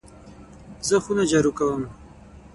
زه خونه جارو کوم .